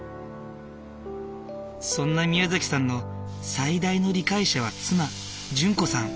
そんなみやざきさんの最大の理解者は妻淳子さん。